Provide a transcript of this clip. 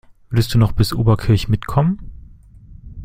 Würdest du noch bis Oberkirch mitkommen?